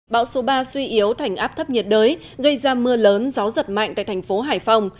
bão số ba suy yếu thành áp thấp nhiệt đới gây ra mưa lớn gió giật mạnh tại thành phố hải phòng